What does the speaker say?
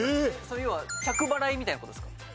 要は着払いみたいな事ですか？